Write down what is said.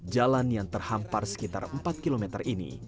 jalan yang terhampar sekitar empat km ini